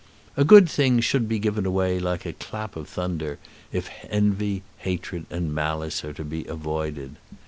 A good thing should be given away like a clap of thunder if envy, hatred, and malice are to be avoided.